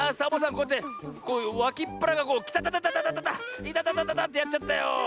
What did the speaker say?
こうやってわきっぱらがこうきたたたたいたたたたってやっちゃったよ。